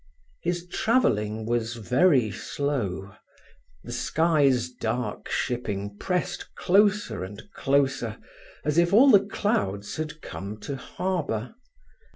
His travelling was very slow. The sky's dark shipping pressed closer and closer, as if all the clouds had come to harbour.